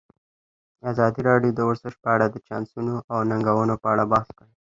ازادي راډیو د ورزش په اړه د چانسونو او ننګونو په اړه بحث کړی.